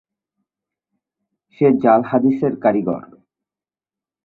সে জাল হাদিসের কারিগর’।